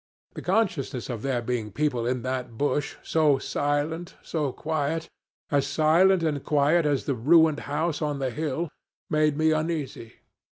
The consciousness of there being people in that bush, so silent, so quiet as silent and quiet as the ruined house on the hill made me uneasy.